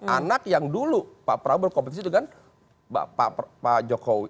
anak yang dulu pak prabowo berkompetisi dengan pak jokowi